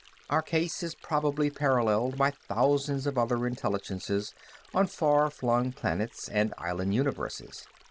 Our case is probably paralleled by thousands of other intelligences on far flung planets and island universes.